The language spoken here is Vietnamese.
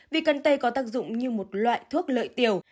vì cân tây có tác dụng như một loại thuốc lợi tiểu